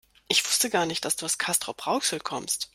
Ich wusste gar nicht, dass du aus Castrop-Rauxel kommst